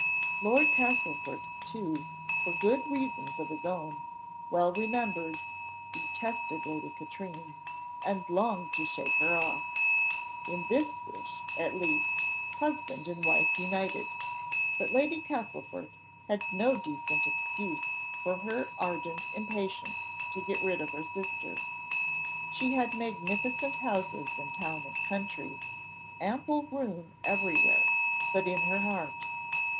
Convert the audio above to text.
Lord Castlefort, too, for good reasons of his own, well remembered, detested Lady Katrine, and longed to shake her off. In this wish, at least, husband and wife united; but Lady Castlefort had no decent excuse for her ardent impatience to get rid of her sister. She had magnificent houses in town and country, ample room everywhere but in her heart.